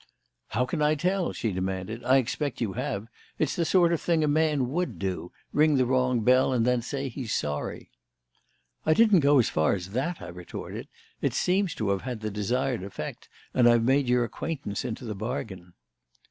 "How can I tell?" she demanded. "I expect you have. It's the sort of thing a man would do ring the wrong bell and then say he's sorry." "I didn't go as far as that," I retorted. "It seems to have had the desired effect, and I've made your acquaintance into the bargain."